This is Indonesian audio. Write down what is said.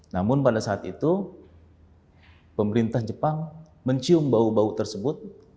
namun pada saat itu pemerintah jepang mencium bau bau tersebut